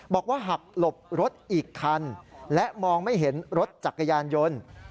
บอกว่าหักหลบรถอีกคันและมองไม่เห็นรถจักรยานยนต์